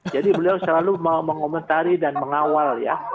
jadi beliau selalu mengomentari dan mengawal ya